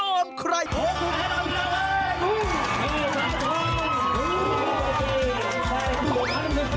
โหแข่งเราผิดเลย